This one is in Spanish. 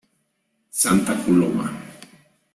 Santa Coloma.